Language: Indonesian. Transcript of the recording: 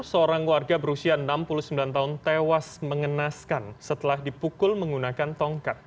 seorang warga berusia enam puluh sembilan tahun tewas mengenaskan setelah dipukul menggunakan tongkat